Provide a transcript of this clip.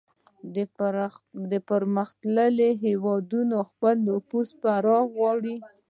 پرمختللي هیوادونه د خپل نفوذ پراخول غواړي